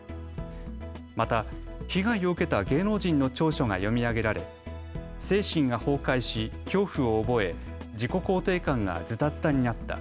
また被害を受けた芸能人の調書が読み上げられ精神が崩壊し恐怖を覚え自己肯定感がずたずたになった。